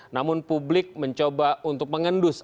namun publik mencoba untuk mengendus